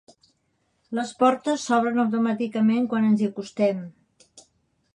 Les portes s'obren automàticament quan ens hi acostem.